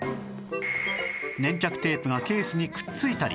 粘着テープがケースにくっついたり